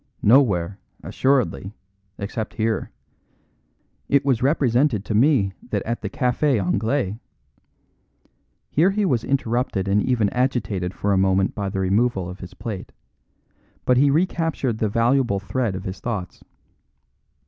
"Nowhere, assuredly, except here. It was represented to me that at the Café Anglais " Here he was interrupted and even agitated for a moment by the removal of his plate, but he recaptured the valuable thread of his thoughts.